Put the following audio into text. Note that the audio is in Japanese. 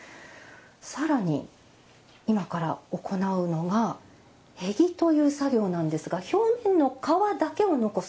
更に今から行うのがへぎという作業なんですが表面の皮だけを残す。